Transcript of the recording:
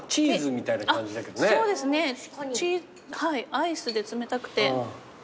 アイスで冷たくて。